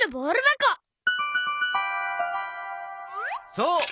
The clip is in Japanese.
そう！